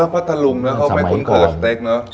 พระทะลุงเข้าไปขุนขอสต๊กเนอะ